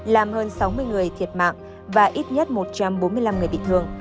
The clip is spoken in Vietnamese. làm hơn sáu mươi người thiệt mạng và ít nhất một trăm bốn mươi năm người bị thương